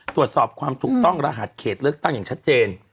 ตรวจสอบความถูกต้องรหัสเขตเลือกตั้งอย่างชัดเจน